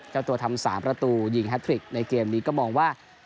เจ้าตัวทำ๓ประตูยิงแฮทริกในเกมนี้ก็มองว่า